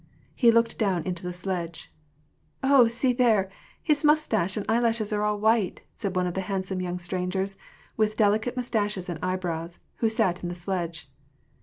He looked down into the sledge. " Oh, see there ! his mustache and eyelashes are all white," said one of the handsome young strangers, with delicate mus taches and eyebrows, who sat in the sledge.